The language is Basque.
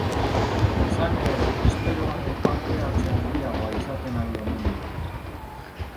Izan ere, espero baino parte hartze handiagoa izaten ari omen dira.